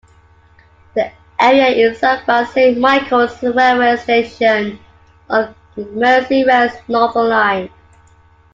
The area is served by Saint Michaels railway station on Merseyrail's Northern Line.